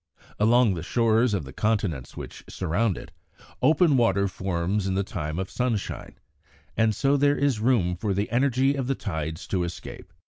Along the shores of the continents which surround it, open water forms in the time of sunshine, and so there is room for the energy of the tides to escape.